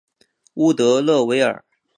乌德勒维尔。